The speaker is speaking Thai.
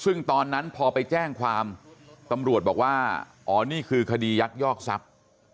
ซึ่งตอนนั้นพอไปแจ้งความตำรวจบอกว่าอ๋อนี่คือคดียักยอกทรัพย์